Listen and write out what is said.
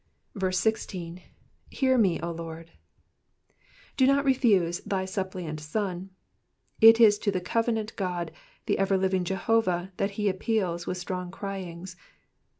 16. '^Hear me, 0 Lord.'*'* Do not refuse thy suppliant Son. It is to the covenant God, the ever living Jehovah, that he appeals with strong cryings.